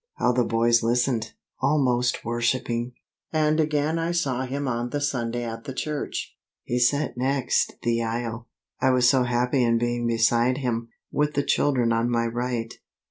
How the boys listened, almost worshipping! And again I saw him on the Sunday at the church. He sat next the aisle. I was so happy in being beside him, with the children on my right.